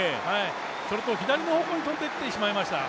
それと左の方向に飛んでいってしましました、